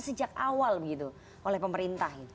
sejak awal begitu oleh pemerintah